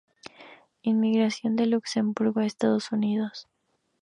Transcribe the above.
Inmigración de luxemburgo a Estados Unidos.